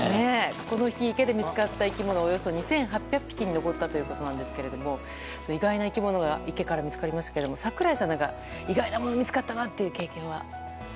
この日、池で見つかった生き物はおよそ２８００匹に上ったということですけれども意外な生き物が池から見つかりましたが櫻井さん、意外なものが見つかったという経験は？